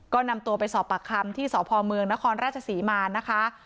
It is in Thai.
ก็นำตัวไปสอบปากคำที่สพเมืองนครราชศรีมานะคะ